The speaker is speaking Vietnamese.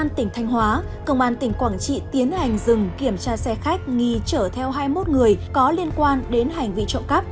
công an tỉnh thanh hóa công an tỉnh quảng trị tiến hành dừng kiểm tra xe khách nghi chở theo hai mươi một người có liên quan đến hành vi trộm cắp